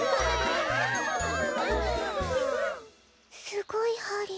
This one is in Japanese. すごいハリ。